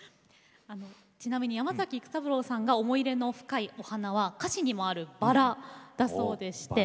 ちなみに山崎育三郎さんが思い入れの深いお花は歌詞にもあるバラだそうでして。